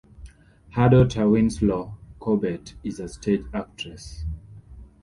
Her daughter Winslow Corbett is a stage actress.